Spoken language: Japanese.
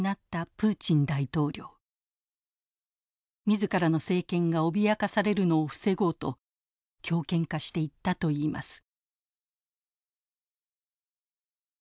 自らの政権が脅かされるのを防ごうと強権化していったといいます。